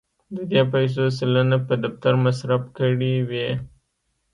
د دې پیسو سلنه په دفتر مصرف کړې وې.